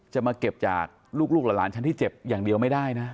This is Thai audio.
จะมาเก็บจากลูกหลานฉันที่เจ็บอย่างเดียวไม่ได้นะ